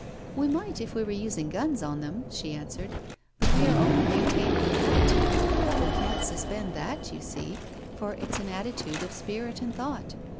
" We might if we were using guns on them," she answered, " but we are only maintaining an attitude — we can't suspend thai you see, for it's an attitude of spirit and thought.